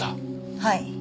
はい。